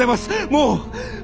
もう！